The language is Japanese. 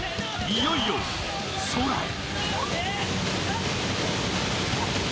いよいよ空へ。